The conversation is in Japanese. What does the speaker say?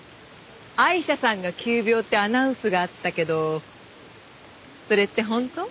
アイシャさんが急病ってアナウンスがあったけどそれって本当？